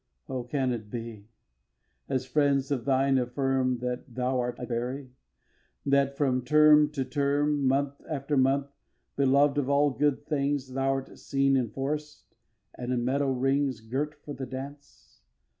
vi. Oh, can it be, as friends of thine affirm That thou'rt a fairy, that, from term to term, Month after month, belov'd of all good things, Thou'rt seen in forests and in meadow rings Girt for the dance?